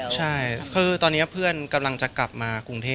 จริงเขาไม่ได้กลับคอนโด